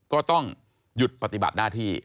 ก็ต้องหยุดปฏิบัติหน้าที่